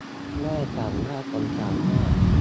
แม่ฉันน่าสงสารมาก